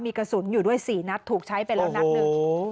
มีกระสุนอยู่ด้วย๔นัดถูกใช้ไปแล้วนัดหนึ่ง